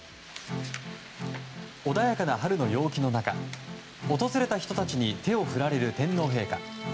穏やかな春の陽気の中訪れた人たちに手を振られる天皇陛下。